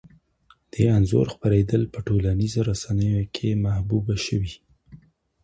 د انځور خپرېدل په ټولنیزو رسنیو کې محبوب شو.